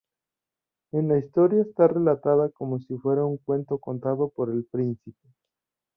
En la historia está relatada como si fuera un cuento contado por el príncipe.